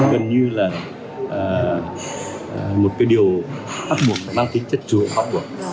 gần như là một cái điều phát buộc mang tính chất chúa phát buộc